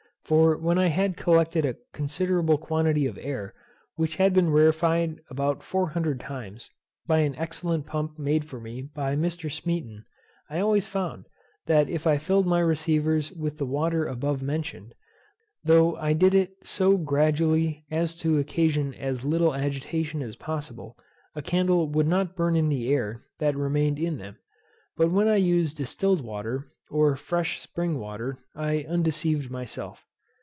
For when I had collected a considerable quantity of air, which had been rarefied about four hundred times, by an excellent pump made for me by Mr. Smeaton, I always found, that if I filled my receivers with the water above mentioned, though I did it so gradually as to occasion as little agitation as possible, a candle would not burn in the air that remained in them. But when I used distilled water, or fresh spring water, I undeceived myself.